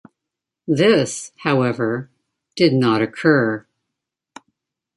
This, however, did not occur.